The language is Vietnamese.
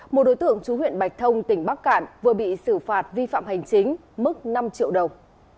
một đối tượng chú huyện bạch thông tỉnh bắc cạn vừa bị xử phạt vi phạm hành chính mức năm triệu đồng